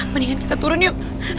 mendingan kita turun yuk